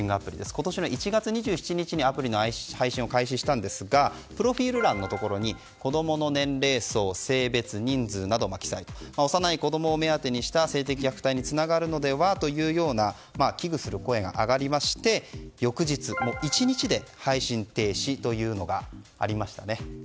今年の１月２７日にアプリの配信を始めたんですがプロフィール欄のところに子供の年齢層、性別人数などの記載幼い子供を目当てにした性的虐待につながるのではというような危惧する声が上がりまして翌日、１日で配信停止というのがありましたね。